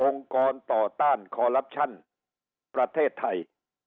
กรต่อต้านคอลลับชั่นประเทศไทย